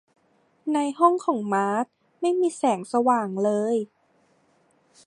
ในห้องของมาร์ธไม่มีแสงสว่างเลย